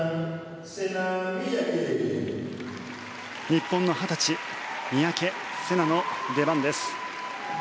日本の２０歳、三宅星南の出番です。